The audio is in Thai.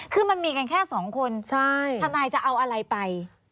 คือมันมีกันแค่สองคนทนายจะเอาอะไรไป